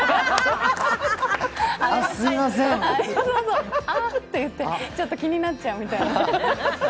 あって言って、ちょっと気になっちゃうみたいな。